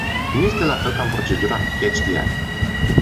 Nu este la fel ca în procedura "catch-the-eye”.